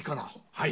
はい！